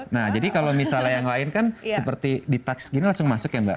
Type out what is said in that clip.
nah jadi kalau misalnya yang lain kan seperti di touch gini langsung masuk ya mbak